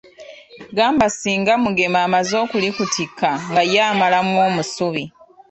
Gamba singa Mugema amaze okulikutikka nga ye amalamu omusubi.